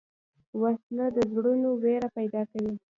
وسله د زړونو وېره پیدا کوي